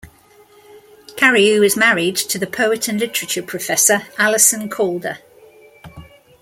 Cariou is married to the poet and literature professor Alison Calder.